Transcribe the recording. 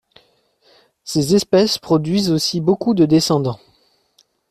Ces espèces produisent aussi beaucoup de descendants.